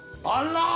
あら！